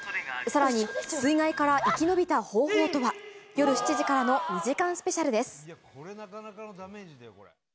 さらに、水害から生き延びた方法とは。夜７時からの２時間スペシャルです。